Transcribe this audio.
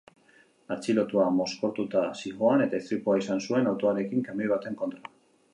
Atxilotua mozkortuta zihoan eta istripua izan zuen autoarekin kamioi baten kontra.